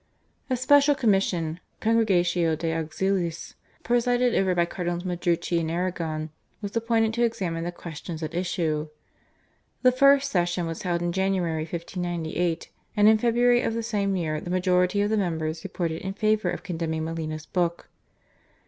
A special commission (/Congregatio de Auxiliis/), presided over by Cardinals Madrucci and Arrigone, was appointed to examine the questions at issue. The first session was held in January 1598, and in February of the same year the majority of the members reported in favour of condemning Molina's book.